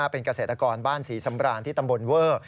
เป็นเกษตรกรบ้านศรีสำราญที่ตำบลเวอร์